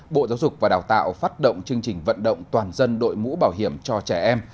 bộ giáo dục và đào tạo phát động chương trình vận động toàn dân đội mũ bảo hiểm cho trẻ em